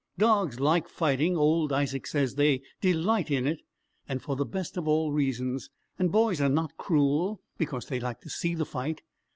Dogs like fighting; old Isaac says they "delight" in it, and for the best of all reasons; and boys are not cruel because they like to see the fight.